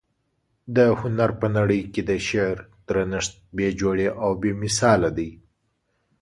د هنر په نړۍ کي د شعر درنښت بې جوړې او بې مثاله دى.